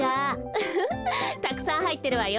ウフフたくさんはいってるわよ。